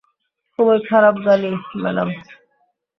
খুবই খারাপ গালি, ম্যাডাম।